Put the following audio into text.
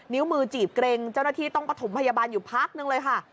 นิ้วมือจีบเกร็งเจ้าหน้าที่ต้องประถมพยาบาลอยู่พักนึงเลยค่ะ